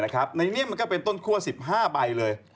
ในนี้มันก็เป็นต้นคั่ว๑๕ใบเลย